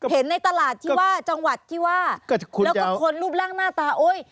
เห็นในตลาดที่ว่าจังหวัดที่ว่าแล้วก็คนรูปร่างหน้าตาโอ๊ย